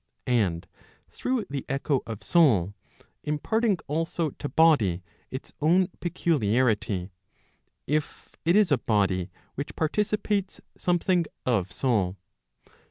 And through the echo ' of soul, imparting also to body its own peculia¬ rity, if it is a body which participates something of soul.